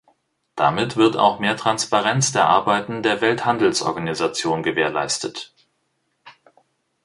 Damit wird auch mehr Transparenz der Arbeiten der Welthandelsorganisation gewährleistet.